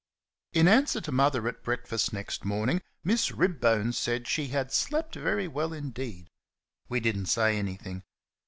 In answer to Mother at breakfast, next morning, Miss Ribbone said she had "slept very well indeed." We did n't say anything.